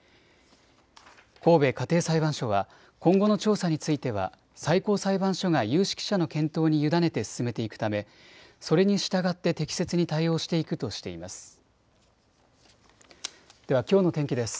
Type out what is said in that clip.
神戸家庭裁判所は今後の調査については最高裁判所が有識者の検討に委ねて進めていくためそれに従って適切に対応していくとしています。